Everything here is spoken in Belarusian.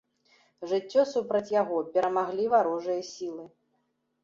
Жыццё супраць яго, перамаглі варожыя сілы.